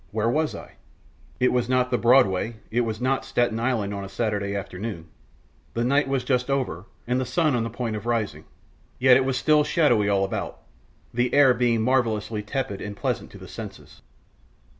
Where was I? It was not the Broadway; it was not Staten Island on a Saturday afternoon. The night was just over, and the sun on the point of rising. Yet it was still shadowy all about, the air being marvellously tepid and pleasant to the senses.